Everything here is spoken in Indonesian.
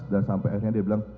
dan sampai akhirnya dia bilang